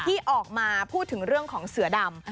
ที่ออกมาพูดถึงเรื่องของเสือดำ